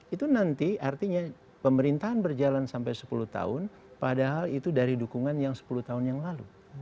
itu nanti artinya pemerintahan berjalan sampai sepuluh tahun padahal itu dari dukungan yang sepuluh tahun yang lalu